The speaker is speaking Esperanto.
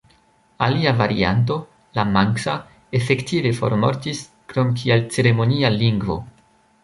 Alia varianto, la manksa, efektive formortis krom kiel ceremonia lingvo.